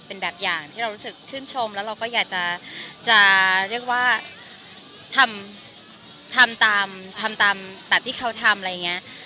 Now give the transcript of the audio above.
เป็นแบบอย่างที่เรารู้สึกชื่นชมแล้วเราก็อยากจะเรียกว่าทำตามทำตามแบบที่เขาทำอะไรอย่างนี้